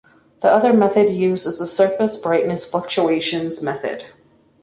The other method used is the surface brightness fluctuations method.